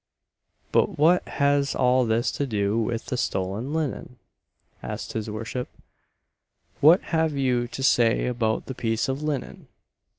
"But what has all this to do with the stolen linen?" asked his worship; "what have you to say about the piece of linen?"